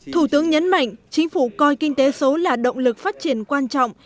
thủ tướng nhấn mạnh chính phủ coi kinh tế số là động lực phát triển quan trọng